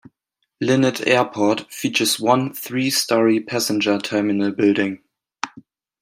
Linate Airport features one three-story passenger terminal building.